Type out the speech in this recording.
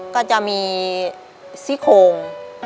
ก็จะมีซี่โคง